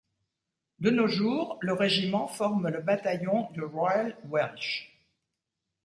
De nos jours, le régiment forme le bataillon du Royal Welsh.